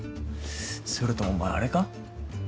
それともお前あれか？